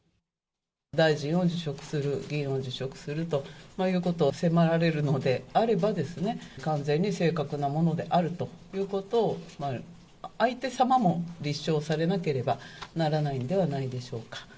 大臣を辞職する、議員を辞職するということを迫られるのであればですね、完全に正確なものであるということを相手様も立証されなければな